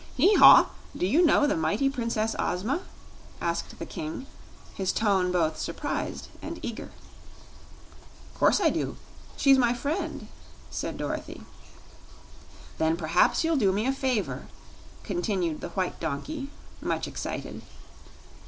"Haw haw! Do you know the mighty Princess Ozma?" asked the King, his tone both surprised and eager. "'Course I do; she's my friend," said Dorothy. "Then perhaps you'll do me a favor," continued the white donkey, much excited.